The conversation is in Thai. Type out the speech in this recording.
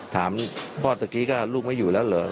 ถามพ่อเมื่อกี้ลูกไม่อยู่แล้วเหรอ